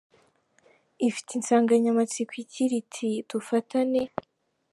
ufite insanganyamatsiko igira iti dufatane.